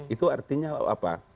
itu artinya apa